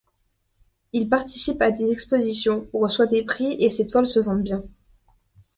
Il participe à des expositions, reçoit des prix et ses toiles se vendent bien.